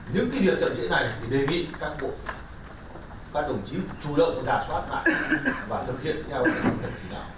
những cái điều gặp dưới này để định các bộ các tổng chí chủ động giả soát lại và thực hiện theo chứng kiến